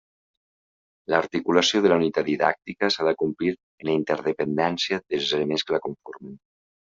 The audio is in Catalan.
L'articulació de la unitat didàctica s'ha d'acomplir en la interdependència dels elements que la conformen.